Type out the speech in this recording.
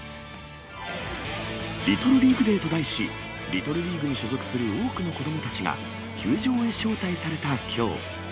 リトルリーグ・デーと題し、リトルリーグに所属する多くの子どもたちが、球場へ招待されたきょう。